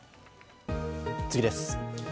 次です。